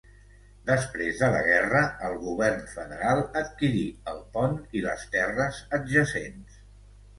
Després de la guerra, el Govern Federal adquirí el pont i les terres adjacents.